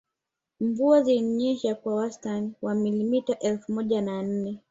Mvua zinanyesha kwa wastani wa milimita elfu moja na nne